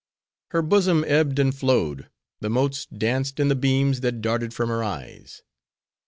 Her bosom ebbed and flowed; the motes danced in the beams that darted from her eyes.